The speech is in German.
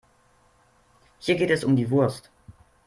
Hier geht es um die Wurst.